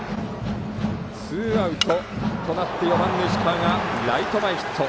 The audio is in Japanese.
ツーアウトとなって４番の石川がライト前ヒット。